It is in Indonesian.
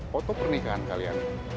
foto pernikahan kalian